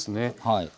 はい。